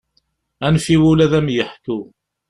Anef i wul ad am-yeḥku.